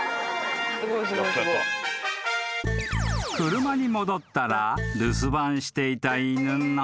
［車に戻ったら留守番していた犬の］